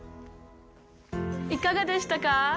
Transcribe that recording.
いかがでしたか。